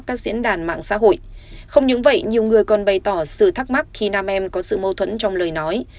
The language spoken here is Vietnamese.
không những vậy nhiều người còn bày tỏ sự thắc mắc khi nam em có sự mâu thuẫn trong lời nói